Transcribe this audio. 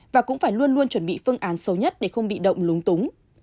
và cũng phải luôn luôn chuẩn bị phương án sâu nhất để không bị động lúng túng